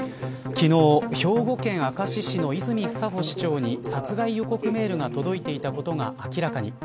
昨日、兵庫県明石市の泉市長に殺害予告メールが届いていたことが明らかに。